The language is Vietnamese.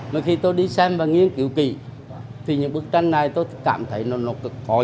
mà khi tôi đi xem và nghiên cứu kỳ thì những bức tranh này tôi cảm thấy nó có giá trị cho hội an